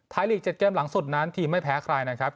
ลีก๗เกมหลังสุดนั้นทีมไม่แพ้ใครนะครับ